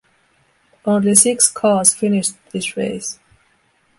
Only six cars finished this race.